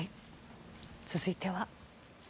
続いては。